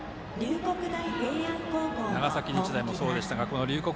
長崎日大もそうでしたが龍谷